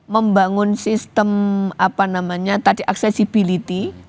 membangun sistem apa namanya tadi accessibility